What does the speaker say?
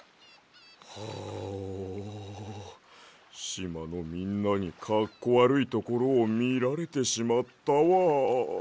しまのみんなにかっこわるいところをみられてしまったわ。